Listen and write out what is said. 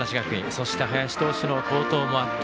そして林投手の好投もあった。